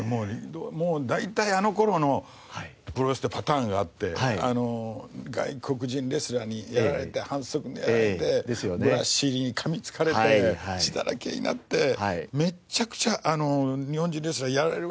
大体あの頃のプロレスってパターンがあって外国人レスラーにやられて反則狙われてブラッシーにかみつかれて血だらけになってめちゃくちゃ日本人レスラーやられるわけですよ。